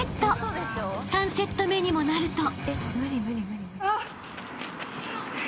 ［３セット目にもなると］